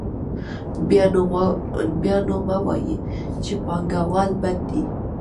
بیا نو مه وایئ چې پانګوال بد دي